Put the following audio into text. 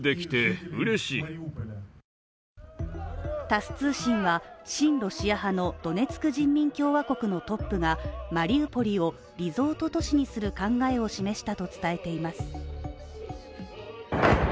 タス通信は新ロシア派のドネツク人民共和国のトップがマリウポリをリゾート都市にする考えを示したと伝えています。